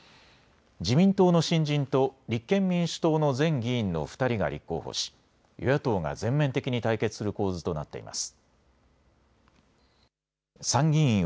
自民党の新人と立憲民主党の前議員の２人が立候補し与野党が全面的に対決する構図となっています。